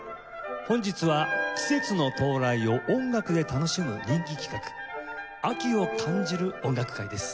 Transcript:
本日は季節の到来を音楽で楽しむ人気企画「秋を感じる音楽会」です。